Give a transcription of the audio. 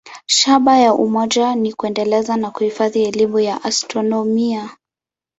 Shabaha ya umoja ni kuendeleza na kuhifadhi elimu ya astronomia.